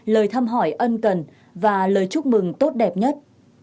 lời thăm hỏi ân cần và lời chúc mừng tốt đẹp nhất